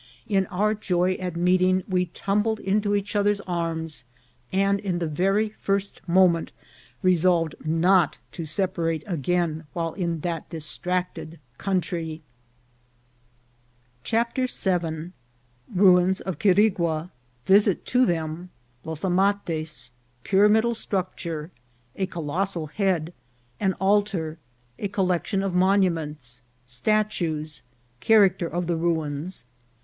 In our joy at meeting we tumbled into each other's arms, and in the very first moment resolved not to separate again while in that distracted country. 118 INCIDENTS OP TRAVFT. CHAPTER VII. Ruins of Quirigua.— Visit to them.— Los Amates.— Pyramidal Structure.— A Colossal Head. — An Altar. — A Collection of Monuments. — Statues. — Charac ter of the Ruins.